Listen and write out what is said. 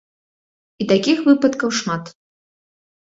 І такіх выпадкаў шмат.